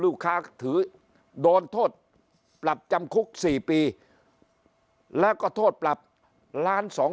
ถือโดนโทษปรับจำคุก๔ปีแล้วก็โทษปรับล้านสอง